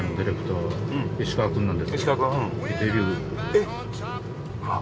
えっ！